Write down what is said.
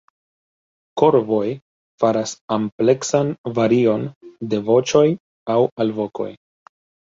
Korvoj faras ampleksan varion de voĉoj aŭ alvokoj.